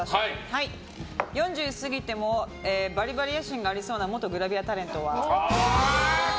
４０過ぎてもバリバリ野心がありそうな元グラビアタレントといえば？